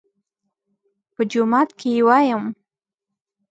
_په جومات کې يې وايم.